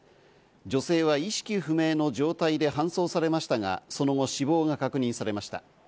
女性は意識不明の状態で搬送されましたが、その後死亡が確認されました。